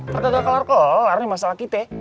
perdata keluar keluar ini masalah kita